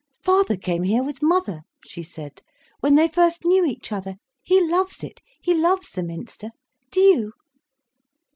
"Father came here with mother," she said, "when they first knew each other. He loves it—he loves the Minster. Do you?"